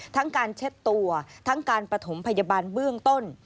ทั้งการเช็ดตัวทั้งการปฐมพยาบาลเบื้องต้น